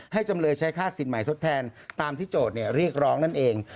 จำเลยใช้ค่าสินใหม่ทดแทนตามที่โจทย์เรียกร้องนั่นเอง